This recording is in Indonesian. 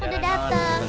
hah dia datang